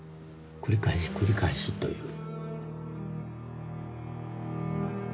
繰り返し繰り返しという。